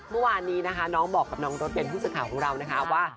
เมื่อวานนี้นะคะน้องบอกกับน้องรถเบนทผู้สื่อข่าวของเรานะคะว่า